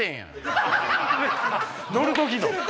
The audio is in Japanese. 乗る時の。